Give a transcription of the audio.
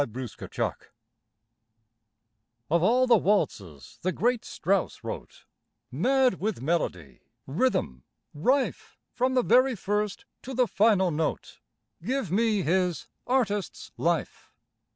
"ARTIST'S LIFE" Of all the waltzes the great Strauss wrote, Mad with melody, rhythm—rife From the very first to the final note. Give me his "Artist's Life!"